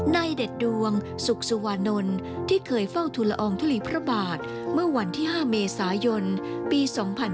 เด็ดดวงสุขสุวานนท์ที่เคยเฝ้าทุลอองทุลีพระบาทเมื่อวันที่๕เมษายนปี๒๕๕๙